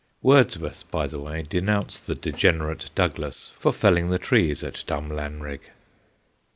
Wordsworth, by the way, denounced the ' degenerate Douglas ' for felling the trees at Drumlanrig.